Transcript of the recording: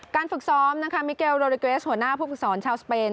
ฝึกซ้อมนะคะมิเกลโรดิเกรสหัวหน้าผู้ฝึกสอนชาวสเปน